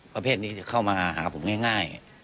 ประเภทนี้จะเข้ามาหาผมง่าย